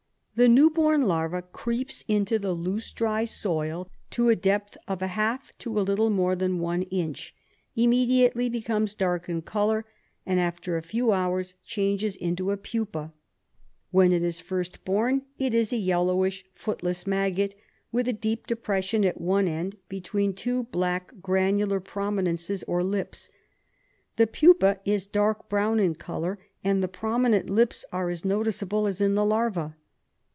The new born larva creeps into the loose, dry soil to a depth of a half to a little more than one inch, immediately becomes dark in colour, and after a few hours changes into a pupa. When it is first born it is a yellowish, footless maggot, with a deep depression at one end, between two black, granular prominences, or lips. The pupa is dark brown in colour, and the prominent lips are as noticeable as in the larva.